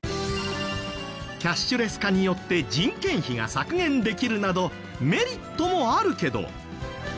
キャッシュレス化によって人件費が削減できるなどメリットもあるけど。